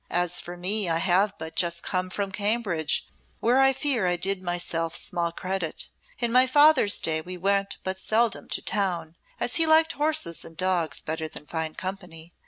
As for me, I have but just come from Cambridge, where I fear I did myself small credit. In my father's day we went but seldom to town, as he liked horses and dogs better than fine company.